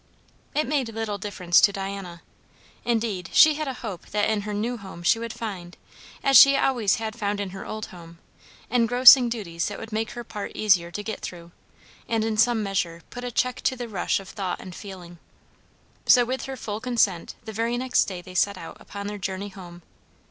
It made little difference to Diana. Indeed, she had a hope that in her new home she would find, as she always had found in her old home, engrossing duties that would make her part easier to get through, and in some measure put a check to the rush of thought and feeling. So with her full consent the very next day they set out upon their journey home.